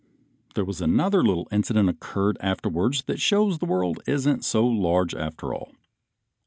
There was another little incident occurred afterwards that shows the world isn't so large after all.